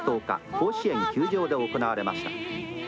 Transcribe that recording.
甲子園球場で行われました。